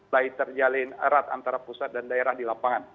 baik terjalin erat antara pusat dan daerah di lapangan